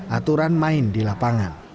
aturan main di lapangan